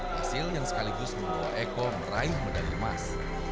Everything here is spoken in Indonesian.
hasil yang sekaligus membawa eko meraih medali emas